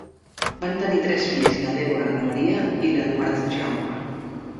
Van tenir tres fills, la Deborah, la Maria i l'Eduard Jaume.